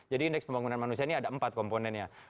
jadi indeks pembangunan manusia ini ada empat komponennya